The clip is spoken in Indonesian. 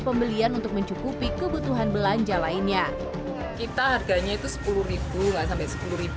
pembelian untuk mencukupi kebutuhan belanja lainnya kita harganya itu sepuluh sampai sepuluh